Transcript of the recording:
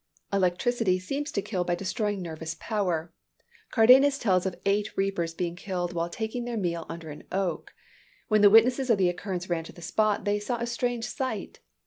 Electricity seems to kill by destroying nervous power. Cardanus tells of eight reapers being killed while taking their meal under an oak. When the witnesses of the occurrence ran to the spot, they saw a strange sight.